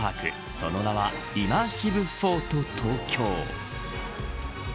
その名はイマーシブ・フォート東京。